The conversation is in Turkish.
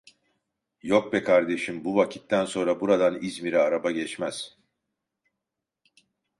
Yok be kardeşim, bu vakitten sonra buradan İzmir'e araba geçmez.